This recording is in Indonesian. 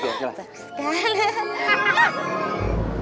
biar lu diapain lagi tuh sama bugi